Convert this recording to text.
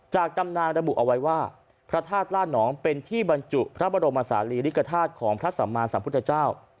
ตำนานระบุเอาไว้ว่าพระธาตุล่านองเป็นที่บรรจุพระบรมศาลีริกฐาตุของพระสัมมาสัมพุทธเจ้า